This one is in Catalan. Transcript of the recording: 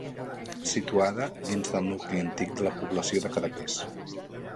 Situada dins del nucli antic de la població de Cadaqués.